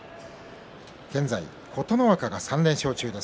現在、琴ノ若が３連勝中です。